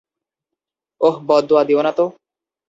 ওহ, বদদোয়া দিয়ো না তো।